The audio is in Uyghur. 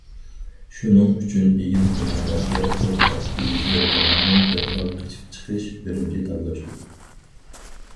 شۇنىڭ ئۈچۈن، ئېگىز بىنالاردا ئوت ئاپىتى يۈز بەرگەن ھامان، دەرھال قېچىپ چىقىش بىرىنچى تاللاشتۇر.